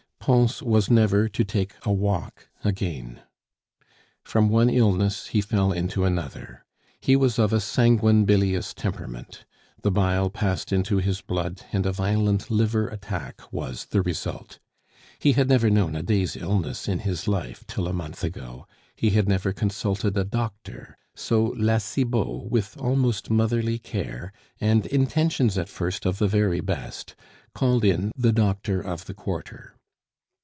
Pons was never to take a walk again. From one illness he fell into another. He was of a sanguine bilious temperament, the bile passed into his blood, and a violent liver attack was the result. He had never known a day's illness in his life till a month ago; he had never consulted a doctor; so La Cibot, with almost motherly care and intentions at first of the very best, called in "the doctor of the quarter."